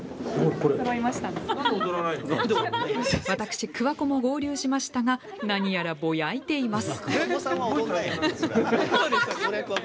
私、桑子も合流しましたが何やらぼやいています。